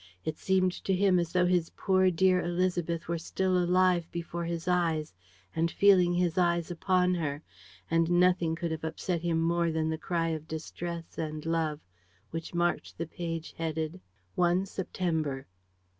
It seemed to him as though his poor dear Élisabeth were still alive before his eyes and feeling his eyes upon her. And nothing could have upset him more than the cry of distress and love which marked the page headed: _1 September.